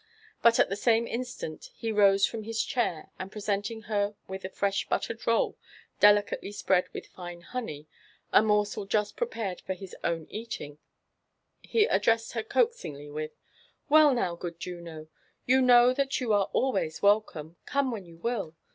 But at the same instant he rose from his chair, and presenting her with a fresh bultered roll delicately spread with fine honey — a morsel just prepared for his own caling — he addressed Iter coaxingly with. Well now, good Juno, you know (hat you are al ways welcome, come when you will.